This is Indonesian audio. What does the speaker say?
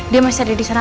dia masih ada disana